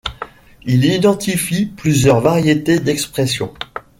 Il identifie plusieurs variétés d'expression.